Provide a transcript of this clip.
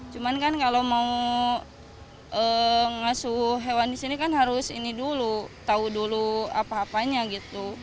cuman kan kalau mau ngasuh hewan di sini kan harus ini dulu tahu dulu apa apanya gitu